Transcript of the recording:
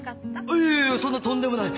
いやいやそんなとんでもない！